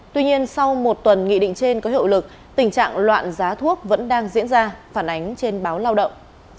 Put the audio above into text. tuy nhiên sau một tuần nghị định trên có hiệu lực tình trạng loạn giá thuốc vẫn đang diễn ra phản ánh trên báo lao động